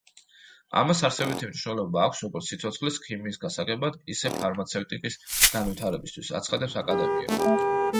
ამას არსებითი მნიშვნელობა აქვს, როგორც „სიცოცხლის ქიმიის“ გასაგებად, ისე ფარმაცევტიკის განვითარებისთვის“, – აცხადებს აკადემია.